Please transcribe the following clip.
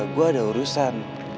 gue ada urusan